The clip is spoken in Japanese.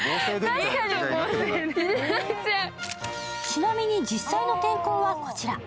ちなみに実際の天候はこちら。